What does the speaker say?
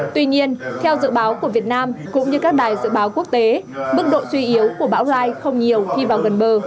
tuy nhiên theo dự báo của việt nam cũng như các đài dự báo quốc tế mức độ suy yếu của bão lai không nhiều khi vào gần bờ